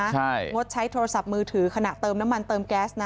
ใช่งดใช้โทรศัพท์มือถือขณะเติมน้ำมันเติมแก๊สนะ